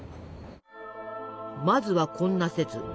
まずはこんな説。